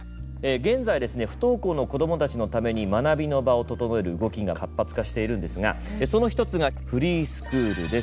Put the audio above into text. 現在、不登校の子供たちのために学びの場を整える動きが活発化してるんですがその一つがフリースクールです。